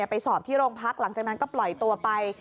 ไปสอบที่โรงพักหลังจากนั้นก็ปล่อยตัวไป